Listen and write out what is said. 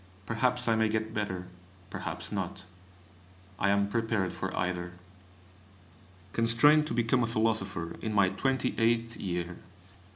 Perhaps I may get better, perhaps not. I am prepared for either. Constrained to become a philosopher in my twenty eighth year!